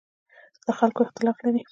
له خلکو اختلاف لري.